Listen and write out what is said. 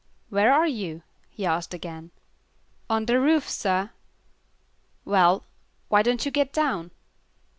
"Where are you?" he asked again. "On de roof, sah." "Well, why don't you get down?"